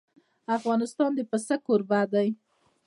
افغانستان د پسه کوربه دی.